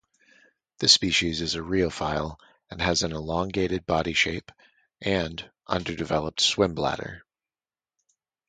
This species is a rheophile and has an elongated body shape and underdeveloped swimbladder.